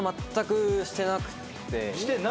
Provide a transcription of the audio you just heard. してない？